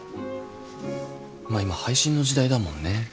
まあ今配信の時代だもんね。